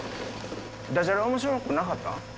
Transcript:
ダジャレ面白くなかった？